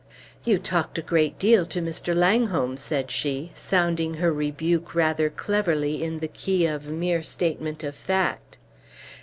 "You talked a great deal to Mr. Langholm," said she, sounding her rebuke rather cleverly in the key of mere statement of fact.